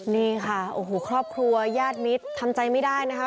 นี่ค่ะโอ้โหครอบครัวญาติมิตรทำใจไม่ได้นะคะ